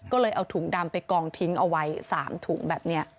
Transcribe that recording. ก็เลยเอาถุงดำไปกองทิ้งเอาไว้๓ถุงแบบนี้